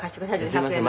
「“すいません。